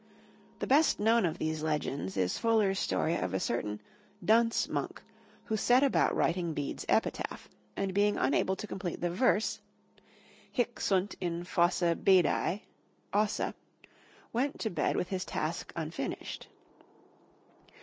The best known of these legends is Fuller's story of a certain "dunce monk" who set about writing Bede's epitaph, and being unable to complete the verse, "Hic sunt in fossa Bedae ... ossa," went to bed with his task unfinished.